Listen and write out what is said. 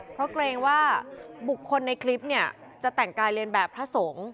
เพราะเกรงว่าบุคคลในคลิปเนี่ยจะแต่งกายเรียนแบบพระสงฆ์